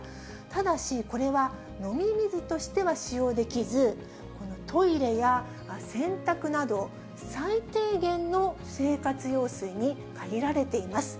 ただしこれは、飲み水としては使用できず、このトイレや洗濯など、最低限の生活用水に限られています。